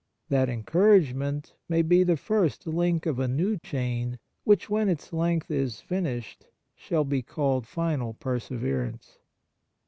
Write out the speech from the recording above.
That encouragement may be the first link of a new chain, which, when its length is finished, shall be called final perseverance.